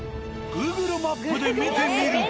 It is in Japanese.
Ｇｏｏｇｌｅマップで見てみると。